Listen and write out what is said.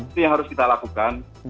itu yang harus kita lakukan